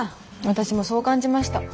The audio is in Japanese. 私もそう感じました。